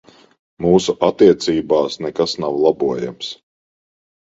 Mūsu attiecībās nekas nav labojams.